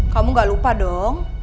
kamu gak lupa dong